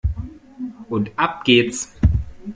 Und ab geht's!